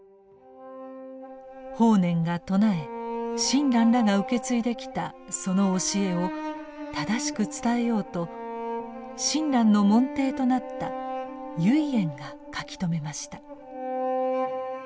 法然が唱え親鸞らが受け継いできたその教えを正しく伝えようと親鸞の門弟となった唯円が書き留めました。